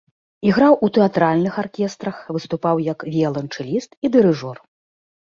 Іграў у тэатральных аркестрах, выступаў як віяланчэліст і дырыжор.